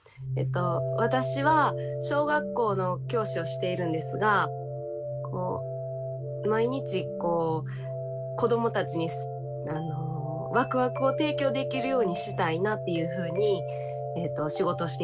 私は小学校の教師をしているんですが毎日子どもたちにワクワクを提供できるようにしたいなっていうふうに仕事をしています。